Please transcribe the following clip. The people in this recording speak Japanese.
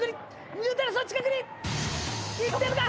ニューテレスの近くに行ってるが。